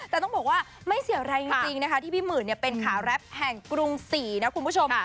แต่ต้องบอกว่าไม่เสียแรงจริงนะคะที่พี่หมื่นเป็นขาแรปแห่งกรุงศรีนะคุณผู้ชม